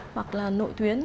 hoặc là nội tuyến